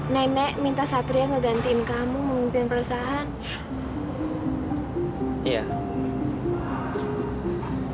nenek minta satria ngegantiin kamu memimpin perusahaan